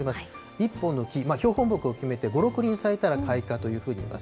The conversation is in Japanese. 一本の木、標本木を決めて５、６輪咲いたら開花というふうにいいます。